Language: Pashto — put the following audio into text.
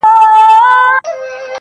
• نور دي دسترگو په كتاب كي.